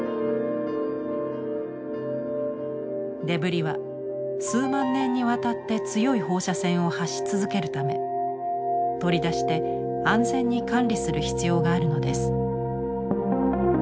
デブリは数万年にわたって強い放射線を発し続けるため取り出して安全に管理する必要があるのです。